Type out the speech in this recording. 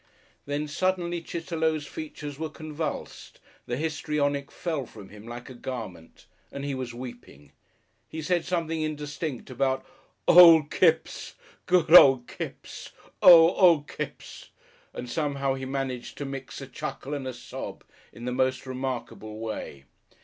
Then suddenly Chitterlow's features were convulsed, the histrionic fell from him like a garment, and he was weeping. He said something indistinct about "Old Kipps! Good old Kipps! Oh, old Kipps!" and somehow he managed to mix a chuckle and a sob in the most remarkable way.